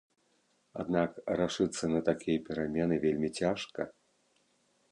Аднак рашыцца на такія перамены вельмі цяжка.